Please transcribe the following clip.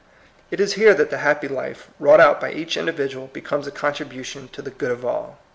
It is here that the happy life wrought out by each individual becomes a contribu tion to the good of all.